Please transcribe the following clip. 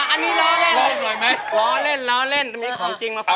อันนี้ล้อเล่นล้อเล่นล้อเล่นมีของจริงล่ะค่ะ